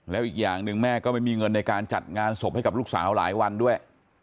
แล้วอีกอย่างหนึ่งแม่ก็ไม่มีเงินในการจัดงานศพให้กับลูกสาวหลายวันด้วย